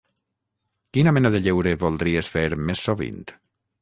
Quina mena de lleure voldries fer més sovint?